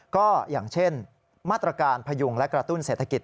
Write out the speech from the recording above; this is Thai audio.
ก็อย่างเช่นมาตรการพยุงและกระตุ้นเศรษฐกิจ